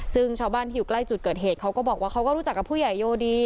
ซึ่งชาวบ้านที่อยู่ใกล้จุดเกิดเหตุเขาก็บอกว่าเขาก็รู้จักกับผู้ใหญ่โยดี